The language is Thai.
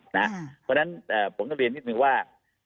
เพราะฉะนั้นผมต้องเรียนนิดนึงว่า